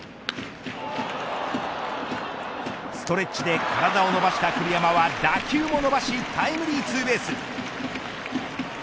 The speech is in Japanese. ストレッチで体を伸ばした栗山は打球も伸ばしタイムリーツーベース。